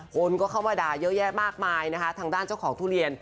คนก็เข้ามาด่าเยอะแยะมากมายนะคะทางด้านเจ้าของทุเรียน